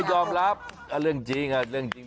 ผมก็ยอมรับเรื่องจริง